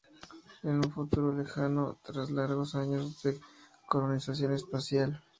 En un futuro lejano, tras largos años de colonización espacial.